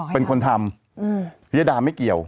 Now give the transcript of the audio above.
เป็นคนบอกให้ทำอืมพิยดาไม่เกี่ยว